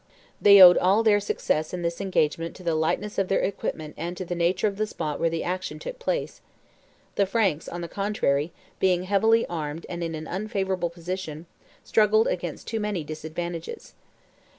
They owed all their success in this engagement to the lightness of their equipment and to the nature of the spot where the action took place; the Franks, on the contrary, being heavily armed and in an unfavorable position, struggled against too many disadvantages.